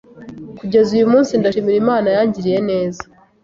Kugeza uyu munsi ndashimira Imana yangiriye neza